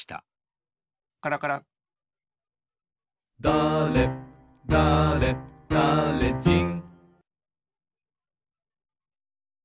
「だれだれだれじん」